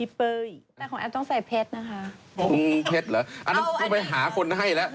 ที่เปอร์อีกแต่ของแอปต้องใส่เพชรนะคะอเจมส์เพชรเหรออันนั้นก็ไปหาคนให้แล้ว